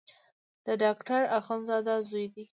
د ډاکټر اخندزاده زوی دی.